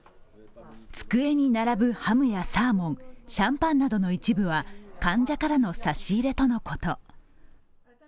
机に並ぶハムやサーモン、シャンパンなどの一部は患者からの差し入れとのこと。